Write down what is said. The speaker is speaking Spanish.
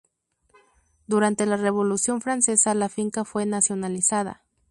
Durante la Revolución Francesa la finca fue nacionalizada.